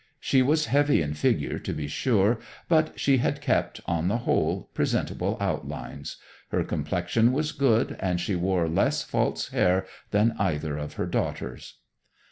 She was heavy in figure, to be sure, but she had kept, on the whole, presentable outlines. Her complexion was good, and she wore less false hair than either of her daughters.